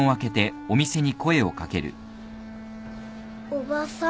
おばさん。